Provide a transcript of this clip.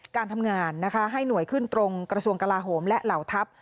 การทำงานนะคะให้หน่วยขึ้นตรงกระทรวงกลาโหมและเหล่าทัพ